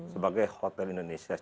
sebagai hotel indonesia